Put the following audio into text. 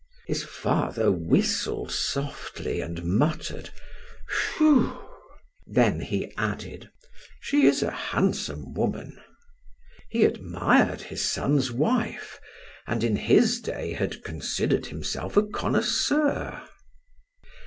His father whistled softly and muttered: "Whew!" Then he added: "She is a handsome woman." He admired his son's wife, and in his day had considered himself a connoisseur.